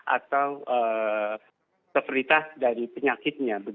atau keperlitan dari penyakitnya